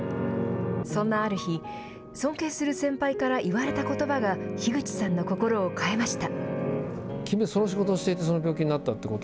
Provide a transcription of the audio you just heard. そんなある日、尊敬する先輩から言われたことばが樋口さんの心を変えました。